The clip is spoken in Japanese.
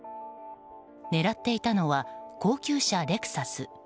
狙っていたのは高級車レクサス。